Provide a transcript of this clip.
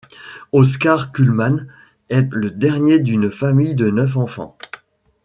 Oscar Cullmann est le dernier d'une famille de neuf enfants.